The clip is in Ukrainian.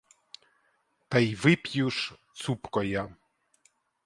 Та й вип'ю ж цупко я!